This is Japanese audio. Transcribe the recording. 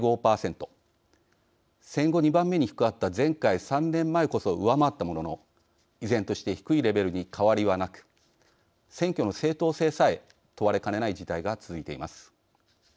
戦後２番目に低かった前回３年前こそ上回ったものの依然として低いレベルに変わりはなく選挙の正当性さえ問われかねない事態が続いています。